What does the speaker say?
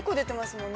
もんね